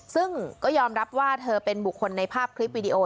ซึ่งก็ยอมรับว่าเธอเป็นบุคคลในภาพคลิปวิดีโอ